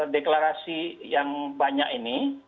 deklarasi yang banyak ini